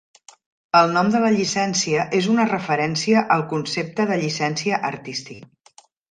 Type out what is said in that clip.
El nom de la llicència és una referència al concepte de llicència artística.